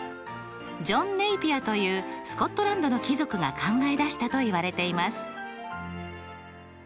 ジョン・ネイピアというスコットランドの貴族が考え出したといわれています。